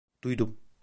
Duydum.